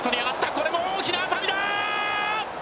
これも大きな当たりだ！